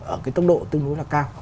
ở cái tốc độ tương đối là cao